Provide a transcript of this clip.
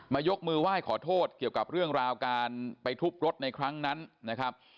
ยกมือไหว้ขอโทษเกี่ยวกับเรื่องราวการไปทุบรถในครั้งนั้นนะครับ